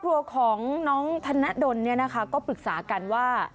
ครัวของน้องธนดลเนี่ยนะคะก็ปรึกษากันว่า